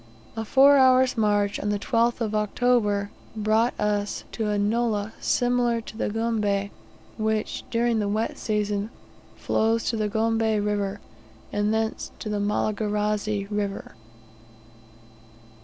A four hours' march, on the 12th of October, brought us to a nullah similar to the Gombe, which, during the wet season, flows to the Gombe River, and thence into the Malagarazi River.